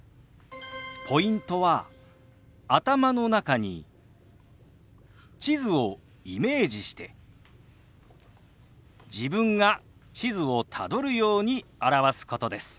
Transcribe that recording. ポイントは頭の中に地図をイメージして自分が地図をたどるように表すことです。